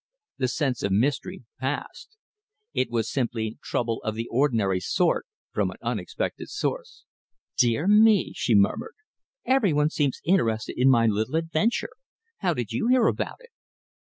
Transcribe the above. The sense of mystery passed. It was simply trouble of the ordinary sort from an unexpected source. "Dear me!" she murmured. "Every one seems interested in my little adventure. How did you hear about it?"